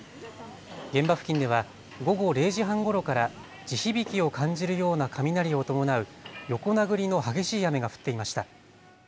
現場付近では午後０時半ごろから地響きを感じるような雷を伴う横殴りの激しい雨が降っていました。